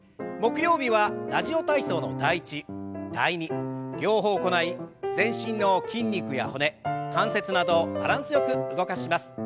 木曜日は「ラジオ体操」の「第１」「第２」両方行い全身の筋肉や骨関節などをバランスよく動かします。